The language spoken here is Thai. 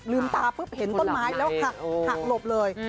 ตาปุ๊บเห็นต้นไม้แล้วหักหลบเลย